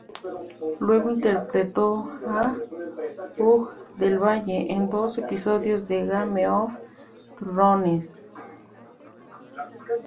Luego interpretó a Hugh del Valle en dos episodios de "Game of Thrones".